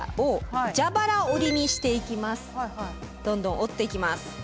どんどん折っていきます。